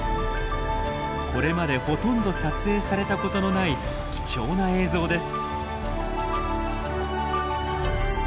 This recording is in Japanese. これまでほとんど撮影されたことのない貴重な映像です。